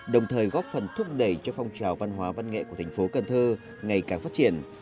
đồng thời góp phần thúc đẩy cho phong trào văn hóa văn nghệ của thành phố cần thơ ngày càng phát triển